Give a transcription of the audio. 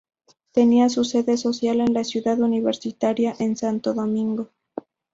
Tenía su sede social en la "Ciudad Universitaria" en Santo Domingo.